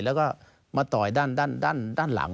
แล้วก็มาต่อยด้านหลัง